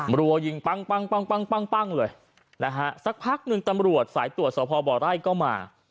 บรัวยิงปั้งเลยสักพักหนึ่งตำรวจสายตรวจสวพบ่อไร่ก็มา